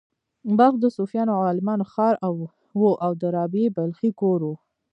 بلخ د صوفیانو او عالمانو ښار و او د رابعې بلخۍ کور و